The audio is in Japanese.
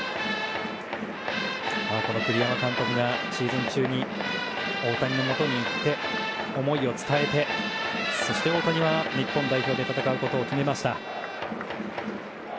栗山監督がシーズン中に大谷のもとに行って思いを伝えてそして、大谷は日本代表で戦うことを決めました。